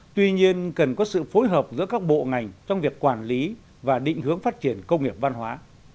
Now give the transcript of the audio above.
tuy nhiên cần có sự phối hợp giữa các bộ ngành trong việc quản lý và định hướng phát triển công nghiệp văn hóa